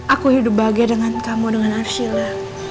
aku hidup bahagia dengan kamu dengan arshila